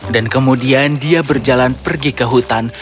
dan kemudian dia berjalan pergi ke hutan